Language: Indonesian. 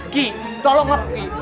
ki tolonglah ki